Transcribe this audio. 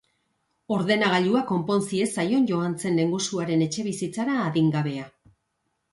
Ordenagailua konpon ziezaion joan zen lehengusuaren etxebizitzara adingabea.